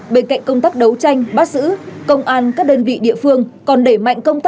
bên cạnh công tác đấu tranh bắt giữ công an các đơn vị địa phương